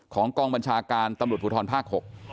ของกองบัญชาการตมตรภูทรภาค๖